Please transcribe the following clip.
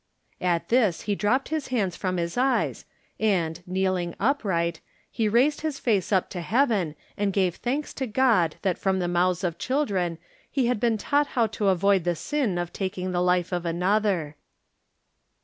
At this he dropped his hands from his eyes, and, kneeling upright, he raised his face up to heaven and gave thanks to God that from the mouths of children he had been taught how to avoid the sin of taking the life of another.